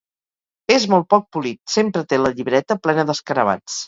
És molt poc polit, sempre té la llibreta plena d'escarabats.